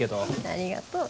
ありがとう。